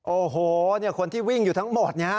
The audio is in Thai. โอ้โหคนที่วิ่งอยู่ทั้งหมดเนี่ย